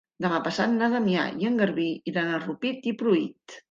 Demà passat na Damià i en Garbí iran a Rupit i Pruit.